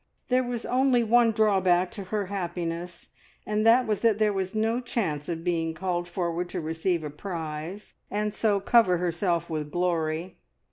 There was only one drawback to her happiness, and that was that there was no chance of being called forward to receive a prize, and so cover herself with glory.